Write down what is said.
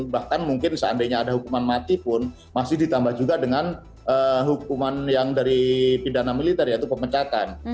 bahkan mungkin seandainya ada hukuman mati pun masih ditambah juga dengan hukuman yang dari pidana militer yaitu pemecatan